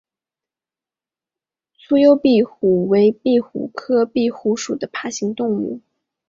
粗疣壁虎为壁虎科壁虎属的爬行动物。